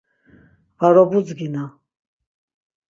Var obudzgina...